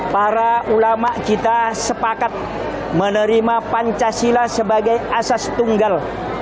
para ulama kita sepakat menerima pancasila sebagai asas tunggal